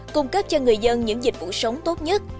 cung cấp cho người dân những dịch vụ sống tốt nhất